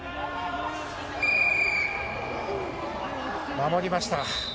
守りました。